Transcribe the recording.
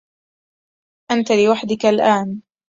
أنت لوحدك الآن.